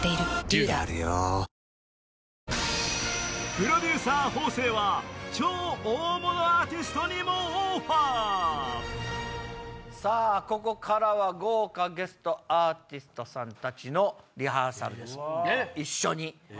プロデューサー方正は超大物アーティストにもオファーここからは豪華ゲストアーティストさんたちのリハーサルです一緒に。